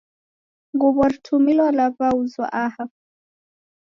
Nguw'o ritumilo raw'auzwa aha.